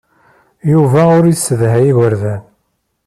Yuba ur yessedhay igerdan.